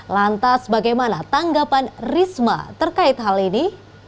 lantas bagaimana tanggapan risma terkait hal ini